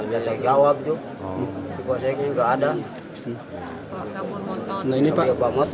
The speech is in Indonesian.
bisa jawab juga ada nah ini pak